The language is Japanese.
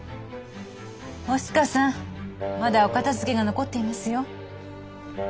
おしかさんまだお片づけが残っていますよ。